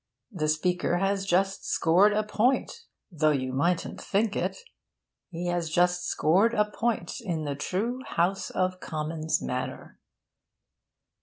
The speaker has just scored a point, though you mightn't think it. He has just scored a point in the true House of Commons manner.